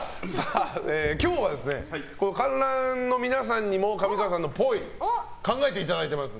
今日は観覧の皆さんにも上川さんのぽいを考えていただいています。